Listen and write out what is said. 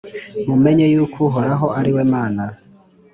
Mumenye yuko Uhoraho ari we Mana,